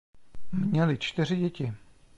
Měli čtyři děti.